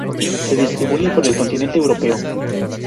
Se distribuye por el continente europeo.